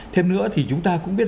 thêm nữa thì chúng ta cũng biết